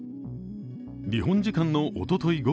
日本時間のおととい